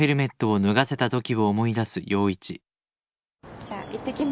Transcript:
じゃあいってきます。